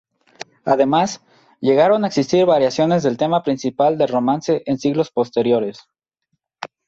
Además, llegaron a existir variaciones del tema principal del romance en siglos posteriores.